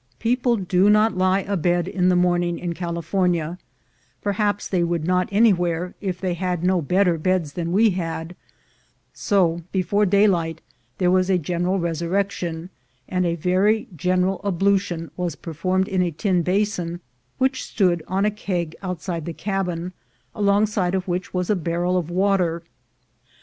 People do not lie abed in the morning in California ; perhaps they would not anywhere, if they had no bet ter beds than we had; so before daylight there was a general resurrection, and a very general ablution was performed in a tin basin which stood on a keg outside the cabin, alongside of which was a barrel of water.